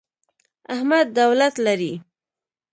احمد دولت لري.